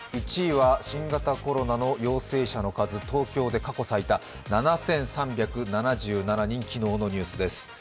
１位は新型コロナの陽性者の数、東京で過去最多７３７７人、昨日のニュースです。